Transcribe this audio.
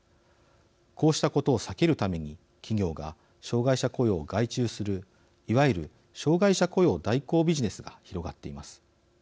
こうしたことを避けるために企業が障害者雇用を外注するいわゆる障害者雇用代行ビジネスが広がっています。